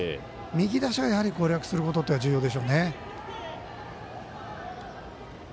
右打者が攻略することが重要でしょうね。